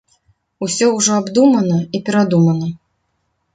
Усё ўжо абдумана і перадумана.